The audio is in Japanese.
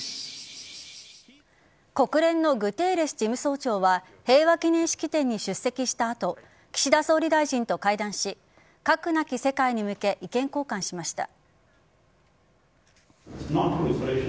国連のグテーレス事務総長は平和記念式典に出席した後岸田総理大臣と会談し核なき世界に向け意見交換しました。